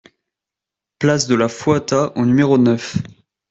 Place de la Foata au numéro neuf